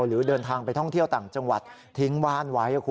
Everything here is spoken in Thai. หรือเดินทางไปท่องเที่ยวต่างจังหวัดทิ้งบ้านไว้